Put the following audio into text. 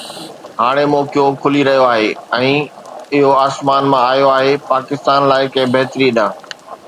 ھاڻي موقعو کُلي رھيو آھي، ۽ اھو آسمان مان آيو آھي، پاڪستان لاءِ ڪنھن بھتريءَ ڏانھن.